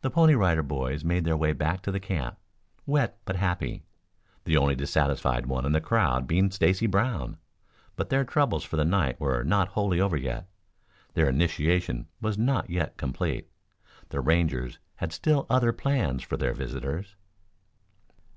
The Pony Rider Boys made their way back to the camp, wet but happy, the only dissatisfied one in the crowd being Stacy Brown. But their troubles for the night were not wholly over yet. Their initiation was not yet complete. The Rangers had still other plans for their visitors.